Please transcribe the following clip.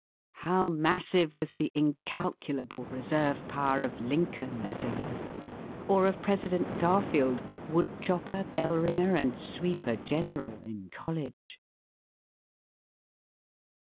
How massive was the incalculable reserve power of Lincoln as a youth; or of President Garfield, wood chopper, bell ringer, and sweeper general in college!